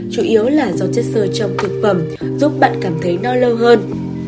chủ yếu là do chất sơ trong thực phẩm giúp bạn cảm thấy no lâu hơn